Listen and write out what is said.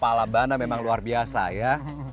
pala banda memang luar biasa ya